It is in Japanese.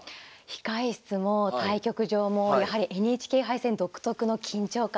控え室も対局場もやはりＮＨＫ杯戦独特の緊張感がありますね。